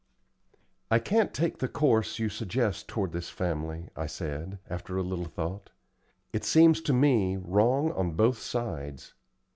"I can't take the course you suggest toward this family," I said, after a little thought. "It seems to me wrong on both sides.